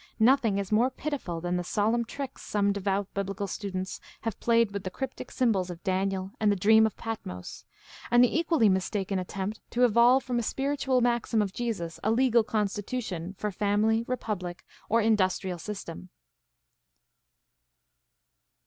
Nothing is more pitiful than the solemn tricks some devout biblical students have played with the cryptic symbols of Daniel and the dream of Patmos, and the equally mistaken attempt to evolve from a spiritual maxim of Jesus a legal constitution for family, republic, or industrial system.